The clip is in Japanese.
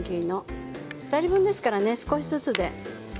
２人分ですので少しずつです。